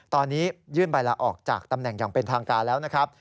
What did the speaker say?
ตอนนี้ยื่นใบลาออกจากตำแหน่งอย่างเป็นทางการแล้วนะครับ